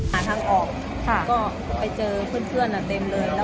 หาทางออกก็ไปเจอเพื่อนเต็มเลย